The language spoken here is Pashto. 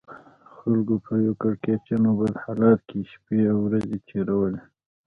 خلکو په یو کړکېچن او بد حالت کې شپې او ورځې تېرولې.